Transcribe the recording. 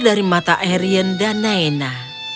dari mata erien dan naina